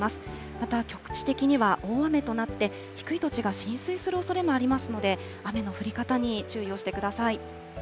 また局地的には大雨となって、低い土地が浸水するおそれもありますので、雨の降り方に注意をしてください。